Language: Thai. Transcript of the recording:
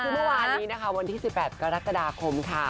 วันนี้นะคะวันที่๑๘กรกฎาคมค่ะ